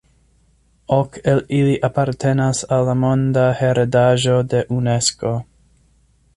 Ok el ili apartenas al la monda heredaĵo de Unesko.